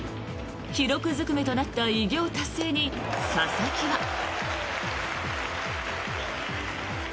記録ずくめとなった偉業達成に佐々木は。